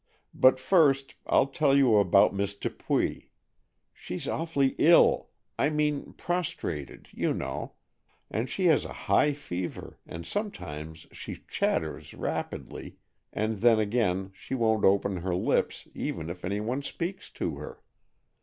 But, first I'll tell you about Miss Dupuy. She's awfully ill—I mean prostrated, you know; and she has a high fever and sometimes she chatters rapidly, and then again she won't open her lips even if any one speaks to her.